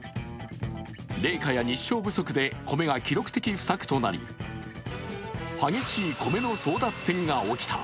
冷夏や日照不足で米が記録的不作となり激しい米の争奪戦が起きた。